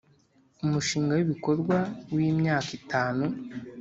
Umushinga w ibikorwa w imyaka itanu